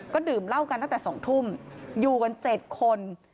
ก็ดื่มเหล้ากันตั้งแต่๒ทุ่มอยู่กัน๗คน